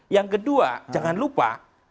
yang kedua jangan lupa